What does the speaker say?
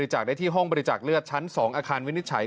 จากได้ที่ห้องบริจาคเลือดชั้น๒อาคารวินิจฉัย